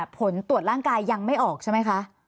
ผลตรวจร่างกายยังไม่ออกใช่ไหมคะ